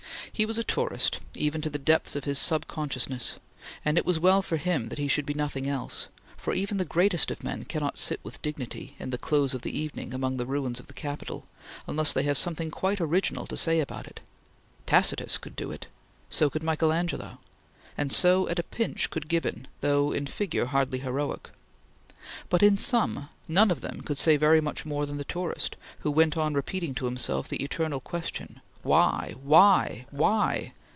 He was a tourist, even to the depths of his sub consciousness, and it was well for him that he should be nothing else, for even the greatest of men cannot sit with dignity, "in the close of evening, among the ruins of the Capitol," unless they have something quite original to say about it. Tacitus could do it; so could Michael Angelo; and so, at a pinch, could Gibbon, though in figure hardly heroic; but, in sum, none of them could say very much more than the tourist, who went on repeating to himself the eternal question: Why! Why!!